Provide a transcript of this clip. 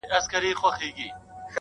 چي يقين يې د خپل ځان پر حماقت سو؛